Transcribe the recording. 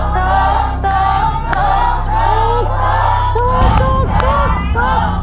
ถูก